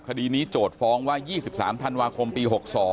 คดีนี้โจทย์ฟ้องว่า๒๓ธันวาคมปี๖๒